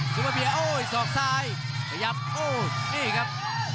ซุปเปอร์เบียร์โอ้ยสอกซ้ายขยับโอ้นี่ครับ